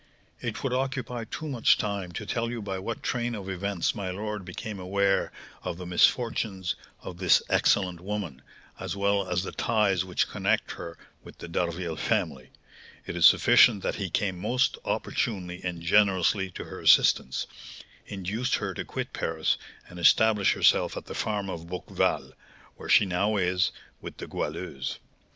It would occupy too much time to tell you by what train of events my lord became aware of the misfortunes of this excellent woman, as well as the ties which connect her with the D'Harville family; it is sufficient that he came most opportunely and generously to her assistance, induced her to quit Paris and establish herself at the farm at Bouqueval, where she now is, with the Goualeuse.